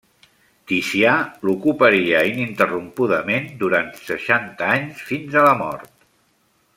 Ticià l'ocuparia ininterrompudament durant seixanta anys, fins a la mort.